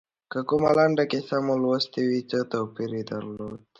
که کومه لنډه کیسه مو لوستي وي څه توپیر درلود.